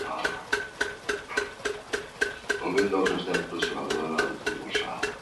Volvendo aos seus tempos de xogadora de fútbol sala.